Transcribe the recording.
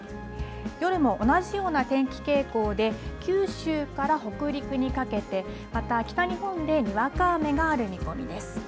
夜も同じような天気傾向で、九州から北陸にかけて、また北日本でにわか雨がある見込みです。